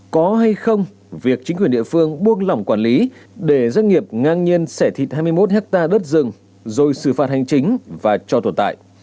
có hay không việc chính quyền địa phương buông lỏng quản lý để doanh nghiệp ngang nhiên xẻ thịt hai mươi một hectare đất rừng rồi xử phạt hành chính và cho tồn tại